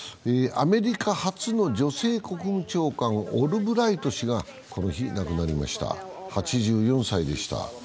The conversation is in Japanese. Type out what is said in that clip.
アメリカ初の女性国務長官、オルブライト氏がこの日、亡くなりました、８４歳でした。